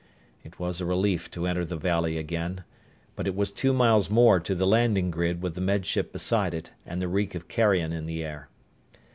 It was a relief to enter the valley again. But it was two miles more to the landing grid with the Med Ship beside it and the reek of carrion in the air.